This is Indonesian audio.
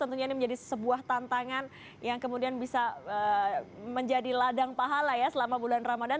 tentunya ini menjadi sebuah tantangan yang kemudian bisa menjadi ladang pahala ya selama bulan ramadan